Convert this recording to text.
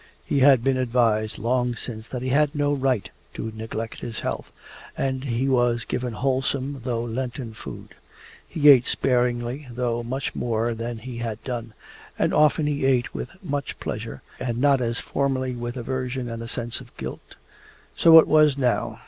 He had been advised long since that he had no right to neglect his health, and he was given wholesome, though Lenten, food. He ate sparingly, though much more than he had done, and often he ate with much pleasure, and not as formerly with aversion and a sense of guilt. So it was now.